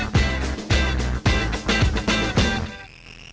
โปรดติดตามตอนต่อไป